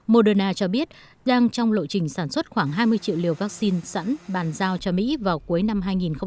moderna cho biết đang trong lộ trình sản xuất khoảng hai mươi triệu liều vaccine sẵn bàn giao cho mỹ vào cuối năm hai nghìn hai mươi